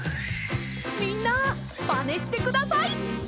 みんなまねしてください。